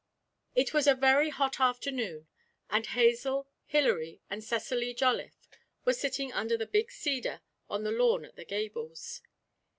It was a very hot afternoon, and Hazel, Hilary, and Cecily Jolliffe were sitting under the big cedar on the lawn at The Gables.